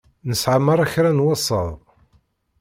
Nesεa merra kra n wasaḍ.